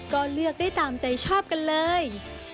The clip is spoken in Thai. ก็เลือกได้ตามใจชอบกันเลย